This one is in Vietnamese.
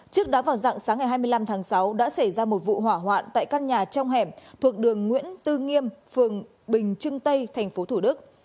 trước đó vào dạng sáng ngày hai mươi năm tháng sáu đã xảy ra một vụ hỏa hoạn tại căn nhà trong hẻm thuộc đường nguyễn tư nghiêm phường bình trưng tây tp thủ đức